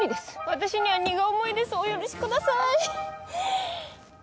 私には荷が重いですお許しください。